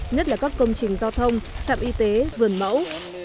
nhất là các công trình giao thông trạm y tế vườn mẫu